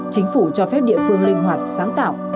chính phủ cho phép địa phương linh hoạt sáng tạo